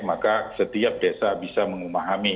maka setiap desa bisa mengumahami